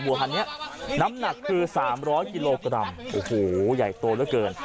บัวพันธ์เนี้ยน้ำหนักคือสามร้อยกิโลกรัมโอ้โหใหญ่โตแล้วเกิน